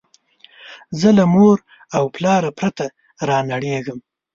زه له موره او پلاره پرته رانړېږم